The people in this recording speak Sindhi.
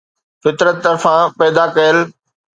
فطرت طرفان پيدا ڪيل